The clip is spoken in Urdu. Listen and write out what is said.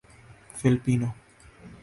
فلیپینو